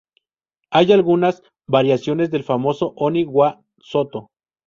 Hay algunas variaciones del famoso "Oni wa soto!